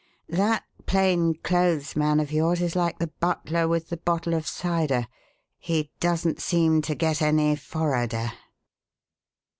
That plain clothes man of yours is like the butler with the bottle of cider he 'doesn't seem to get any forrarder.'"